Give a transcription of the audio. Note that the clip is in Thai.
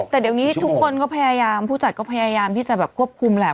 แต่เดี๋ยวนี้ทุกคนก็พยายามผู้จัดก็พยายามที่จะแบบควบคุมแหละ